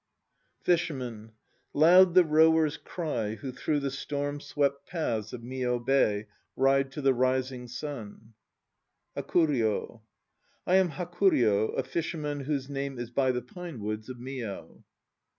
FISHERMAN. Loud the rowers' cry Who through the storm swept paths of Mio Bay Ride to the rising sea. HAKURYO. I am Hakuryo, a fisherman whose home is by the pine woods of Mio.